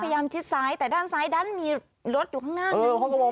พยายามที่ซ้ายท่านที่ซ้ายมีรถอยู่ข้างหน้านั้น